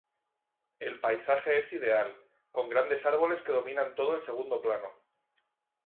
El paisaje es ideal, con grandes árboles que dominan todo el segundo plano.